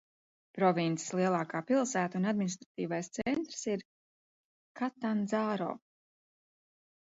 Provinces lielākā pilsēta un administratīvais centrs ir Katandzāro.